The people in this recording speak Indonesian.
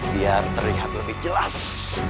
biar terlihat lebih jelas